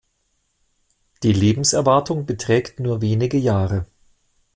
Die Lebenserwartung beträgt nur wenige Jahre.